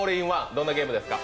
どんなゲームですか。